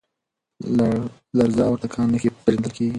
لرزه او تکان نښه پېژندل کېږي.